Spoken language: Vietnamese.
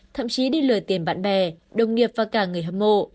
thậm chí đi lời tìm bạn bè đồng nghiệp và cả người hâm mộ